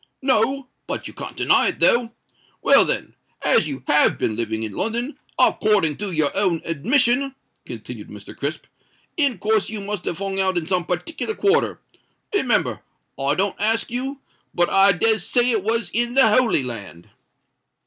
"No—but you can't deny it, though. Well, then—as you have been living in London, according to your own admission," continued Mr. Crisp, "in course you must have hung out in some partickler quarter. Remember, I don't ask you—but I des say it was in the Holy Land."